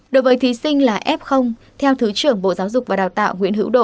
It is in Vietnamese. đối với thí sinh là f theo thứ trưởng bộ giáo dục và đào tạo nguyễn hữu độ